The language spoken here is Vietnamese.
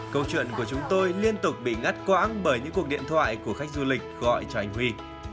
câu chuyện của chúng tôi liên tục bị ngắt quãng bởi những cuộc điện thoại của khách du lịch gọi cho anh huy